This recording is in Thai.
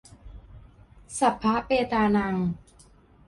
สัพพะเปตานัง